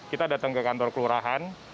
kita datang ke kantor kelurahan